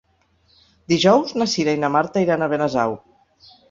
Dijous na Cira i na Marta iran a Benasau.